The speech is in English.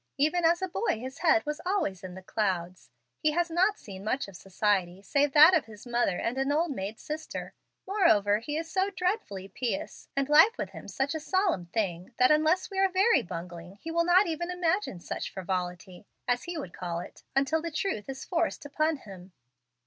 Even as a boy his head was always in the clouds. He has not seen much society save that of his mother and an old maid sister. Moreover, he is so dreadfully pious, and life with him such a solemn thing, that unless we are very bungling he will not even imagine such frivolity, as he would call it, until the truth is forced upon him.